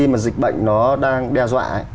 nếu chúng ta đang đe dọa